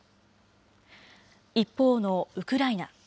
一方のウクライナ。